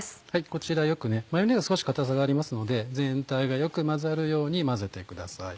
こちらマヨネーズ少し硬さがありますので全体がよく混ざるように混ぜてください。